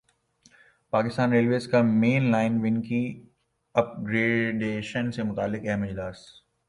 Pakistan railways main line one ون کی upgradation سے متعلق اہم اجلاس